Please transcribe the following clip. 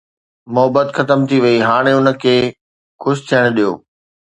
محبت ختم ٿي وئي، هاڻي ان کي حوس ٿيڻ ڏيو